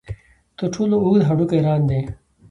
تر ټولو اوږد هډوکی ران دی.